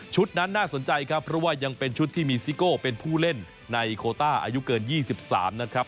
นั้นน่าสนใจครับเพราะว่ายังเป็นชุดที่มีซิโก้เป็นผู้เล่นในโคต้าอายุเกิน๒๓นะครับ